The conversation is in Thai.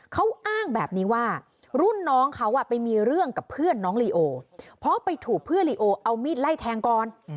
เขาอ้างแบบนี้ว่ารุ่นน้องเขาไปมีเรื่องกับเพื่อนน้องลีโอเพราะไปถูกเพื่อนลีโอเอามีดไล่แทงก่อน